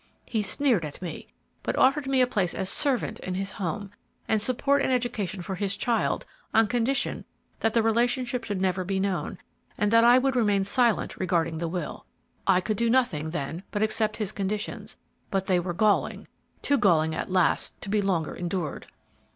He sneered at me, but offered me a place as servant in his home, and support and education for his child on condition that the relationship should never be known, and that I would remain silent regarding the will. I could do nothing then but accept his conditions, but they were galling, too galling at last to be longer endured!"